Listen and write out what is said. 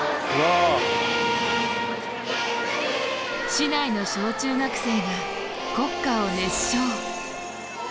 市内の小中学生が国歌を熱唱。